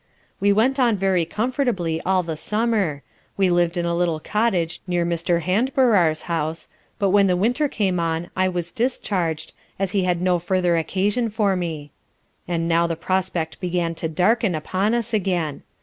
We went on very comfortably all the summer. We lived in a little cottage near Mr. Handbarrar's House; but when the winter came on I was discharged, as he had no further occasion for me. And now the prospect began to darken upon us again.